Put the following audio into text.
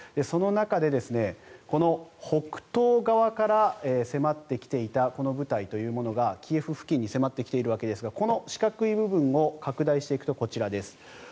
その中でこの北東側から迫ってきていたこの部隊というものがキエフ付近に迫ってきているんですがこの四角い部分を拡大していくとこちらです。